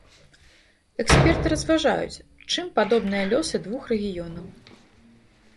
Эксперты разважаюць, чым падобныя лёсы двух рэгіёнаў.